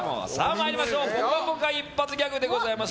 続いては「ぽかぽか」一発ギャグでございます。